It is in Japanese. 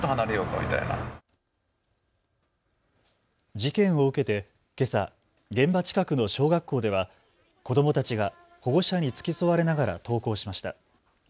事件を受けてけさ、現場近くの小学校では子どもたちが保護者に付き添われながら登校しました。